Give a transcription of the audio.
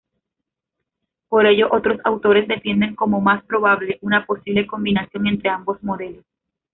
Por ello otros autores defienden como más probable una posible combinación entre ambos modelos.